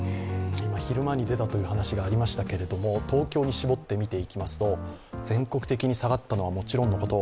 今、昼間に出たという話がありましたけれども、東京に絞って見ていきますと全国的に下がったのはもちろんのこと